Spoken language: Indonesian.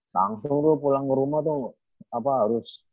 langsung tuh pulang ke rumah tuh apa harus